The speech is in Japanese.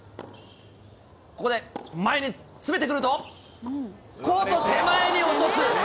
ここで前に詰めてくると、コート手前に落とす。